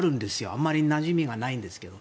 あまりなじみがないんですけど。